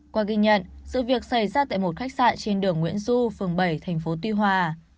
qua ghi nhận sự việc xảy ra tại một khách sạn trên đường nguyễn du phường bảy thành phố tuy hòa